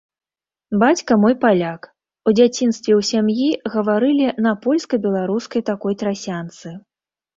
Бацька мой паляк, у дзяцінстве ў сям'і гаварылі на польска-беларускай такой трасянцы.